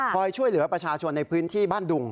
ช่วยเหลือประชาชนในพื้นที่บ้านดุง